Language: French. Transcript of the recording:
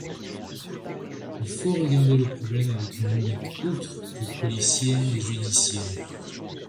Il faut regarder le problème avec une lunette autre que policière et judiciaire.